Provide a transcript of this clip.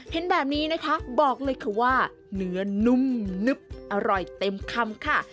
เห็นแบบนี้นะคะบอกเลยค่ะว่าเนื้อนุ่มนึบอร่อยเต็มคำค่ะ